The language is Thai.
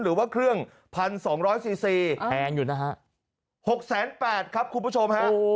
หรือว่าเครื่องพันสองร้อยซีซีแทนอยู่นะฮะหกแสนแปดครับคุณผู้ชมฮะ